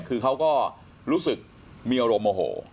คือเขาก็รู้สึกมีอารมณ์โมโห